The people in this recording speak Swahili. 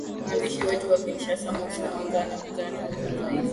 mwandishi wetu wa kinshasa mosi mwasi anakuja na taarifa zaidi